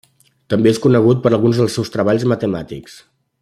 També és conegut per alguns dels seus treballs matemàtics.